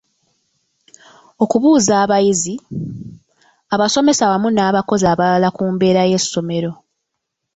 Okubuuza abayizi, abasomesa wamu n'abakozi abalala ku mbeera y'essomero.